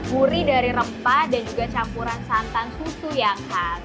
gurih dari rempah dan juga campuran santan susu yang khas